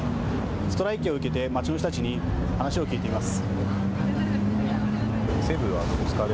ストライキを受けて街の人たちに話を聞いてみます。